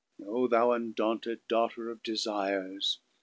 O thou undanted daughter of desires!